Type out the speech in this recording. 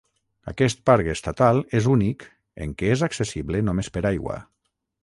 Aquest parc estatal és únic en què és accessible només per aigua.